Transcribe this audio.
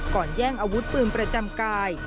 แย่งอาวุธปืนประจำกาย